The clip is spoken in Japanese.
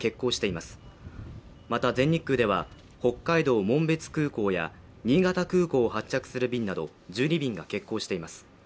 また全日空では北海道紋別空港や新潟空港を発着する便など１２便が欠航しています